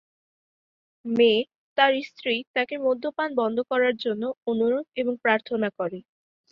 মে, তার স্ত্রী তাকে মদ্যপান বন্ধ করার জন্য অনুরোধ এবং প্রার্থনা করে।